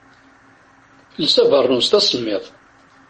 Els abernus, d asemmiḍ.